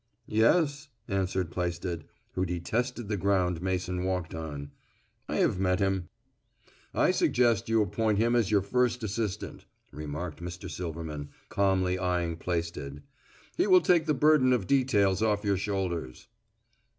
"Yes," answered Plaisted, who detested the ground Mason walked on, "I have met him." "I suggest you appoint him as your first assistant," remarked Mr. Silverman, calmly eyeing Plaisted. "He will take the burden of details off your shoulders."